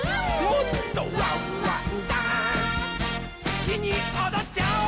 すきにおどっちゃおう！